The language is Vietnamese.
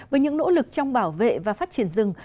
với những nỗ lực trong bảo vệ và phát triển rừng